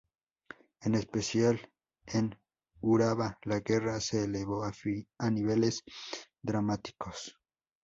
En especial, en Urabá, la guerra se elevó a niveles dramáticos.